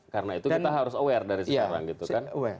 karena itu kita harus aware dari sekarang gitu kan